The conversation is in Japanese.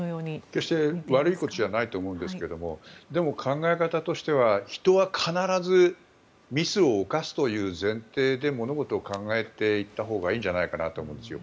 決して悪いことじゃないと思うんですがでも、考え方としては人は必ずミスを犯すという前提で物事を考えていったほうがいいと思うんですよ。